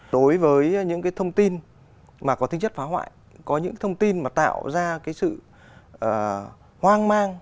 đối với những thông tin có tính chất phá hoại có những thông tin tạo ra sự hoang mang